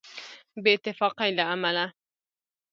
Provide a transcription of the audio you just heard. بې اتفاقۍ له امله.